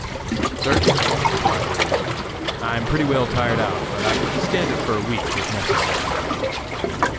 "Certainly," replied Rivers; "I am pretty well tired out, but I can stand it for a week, if necessary."